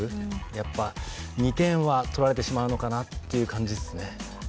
やっぱり２点は取られてしまうのかなという感じですね。